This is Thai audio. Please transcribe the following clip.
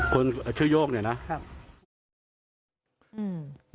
คนชื่อโยกเนี่ยนะครับ